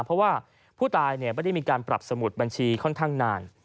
เพราะว่าผู้ตายไม่ได้มีการปรับสมุดบัญชีค่อนข้างนาน